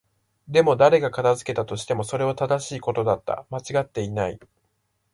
でも、誰が片付けたとしても、それは正しいことだった。間違っていない。